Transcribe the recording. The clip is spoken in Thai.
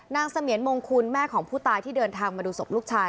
เสมียนมงคุณแม่ของผู้ตายที่เดินทางมาดูศพลูกชาย